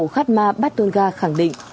khan ma bát tôn ga khẳng định